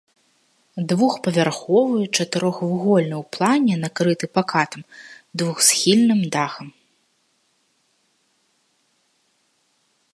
Двухпавярховы, чатырохвугольны ў плане, накрыты пакатым двухсхільным дахам.